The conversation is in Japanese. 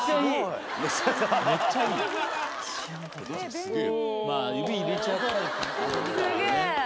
すげえ！